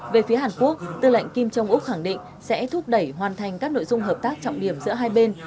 về phía hàn quốc tư lệnh kim trung úc khẳng định sẽ thúc đẩy hoàn thành các nội dung hợp tác trọng điểm giữa hai bên